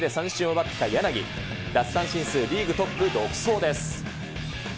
奪三振数リーグトップ独走です。